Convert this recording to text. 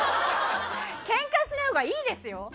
ケンカしないほうがいいですよ。